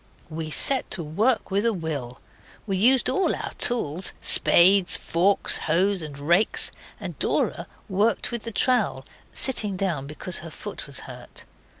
We set to work with a will. We used all our tools spades, forks, hoes, and rakes and Dora worked with the trowel, sitting down, because her foot was hurt.